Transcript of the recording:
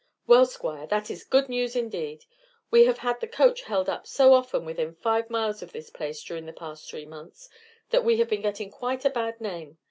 "Well, Squire, that is good news indeed. We have had the coach held up so often within five miles of this place during the past three months, that we have been getting quite a bad name.